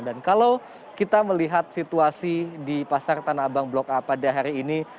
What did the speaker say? kalau kita melihat situasi di pasar tanah abang blok a pada hari ini